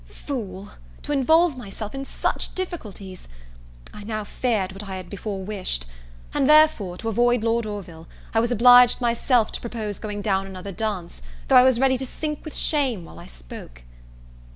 Fool! to involve myself in such difficulties! I now feared what I had before wished; and therefore, to avoid Lord Orville, I was obliged myself to propose going down another dance, though I was ready to sink with shame while I spoke.